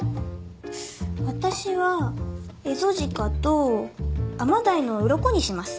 私はエゾジカとアマダイのうろこにします。